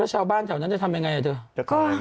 แล้วชาวบ้านแถวนั้นจะทำยังไงนะเธอก็